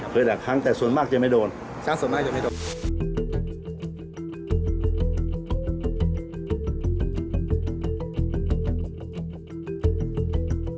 เคยหลายครั้งอยู่เหมือนกันครับ